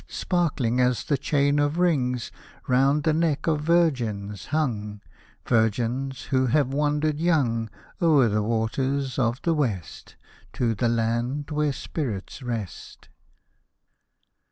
Sparkling as the chain of rings Round the neck of virgins hung, — Virgins, who have wandered young O'er the waters of the west To the land where spirits rest